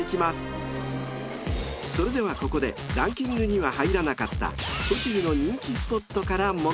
［それではここでランキングには入らなかった栃木の人気スポットから］